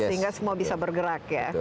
sehingga semua bisa bergerak ya